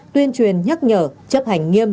tuyên truyền nhắc nhở chấp hành nghiêm